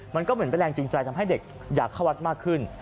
มันก็เหมือนเป็นแรงจูงใจทำให้เด็กอยากเข้าวัดมากขึ้น